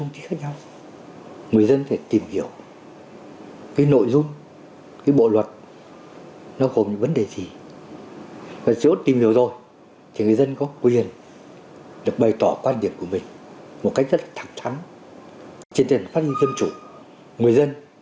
nếu tìm hiểu rồi thì người dân có quyền được bày tỏ quan điểm của mình một cách rất thẳng thắn trên tầng phát triển dân chủ người dân